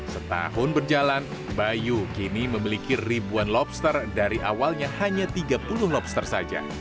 setahun berjalan bayu kini memiliki ribuan lobster dari awalnya hanya tiga puluh lobster saja